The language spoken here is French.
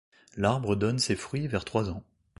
L'arbre donne ses fruits vers trois ans.